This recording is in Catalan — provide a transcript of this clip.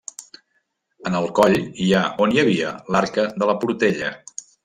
En el coll hi ha, o hi havia, l'Arca de la Portella.